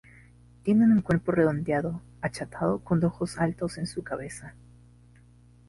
Tienen un cuerpo redondeado, achatado con ojos altos en su cabeza.